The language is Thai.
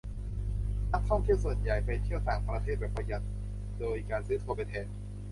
นักท่องเที่ยวส่วนใหญ่ไปเที่ยวต่างประเทศแบบประหยัดโดยการซื้อทัวร์ไปแทน